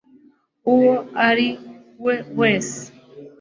uwo ari we wese